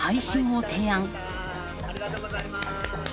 ありがとうございます。